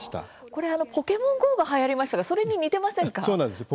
これ、ポケモンＧＯがはやりましたがそれに似てませんか？